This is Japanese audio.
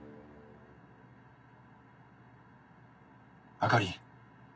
あかり。